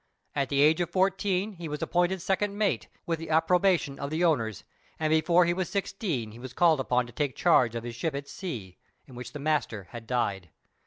At the age of fourteen, he was appointed second mate, with the approbation of the owners, and before he was sixteen he was called upon to take charge of his ship at sea, in which the master had died.